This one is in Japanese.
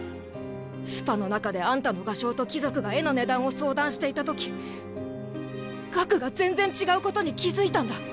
スパの中であんたの画商と貴族が絵の値段を相談していたとき額が全然違うことに気付いたんだ。